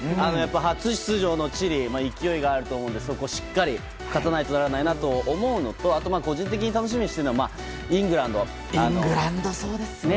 初出場のチリ勢いがあると思うのでそこ、しっかり勝たないとならないなと思うのとあとは、個人的に楽しみにしているのはイングランドですね。